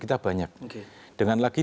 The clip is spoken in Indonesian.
kita banyak dengan lagi